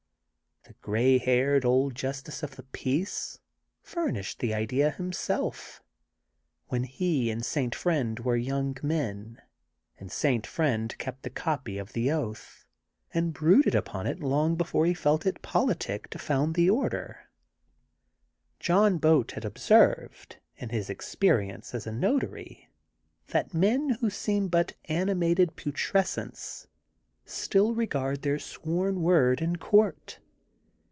The gray headed old justice of the peace furnished the idea himself, when he and St. Friend were young men, and St. Friend kept the copy of the oath ajid brooded upon it long before he felt it politic to found the order. John Boat had observed, in his experience as a notary, that men, who seem but animated putrescence, still regard their sworn word in court.